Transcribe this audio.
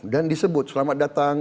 dan disebut selamat datang